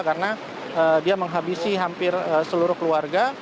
karena dia menghabisi hampir seluruh keluarga